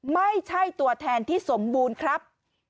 ไม่ใช่ตัวแทนที่สมบูรณ์ครับ